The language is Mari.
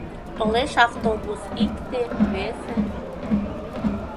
Толеш автобус икте, весе...